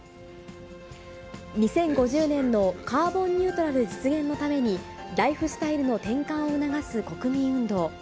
２０５０年のカーボンニュートラル実現のために、ライフスタイルの転換を促す国民運動。